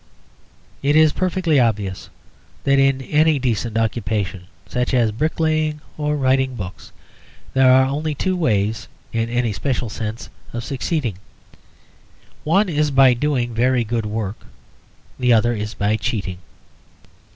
It is perfectly obvious that in any decent occupation (such as bricklaying or writing books) there are only two ways (in any special sense) of succeeding. One is by doing very good work, the other is by cheating.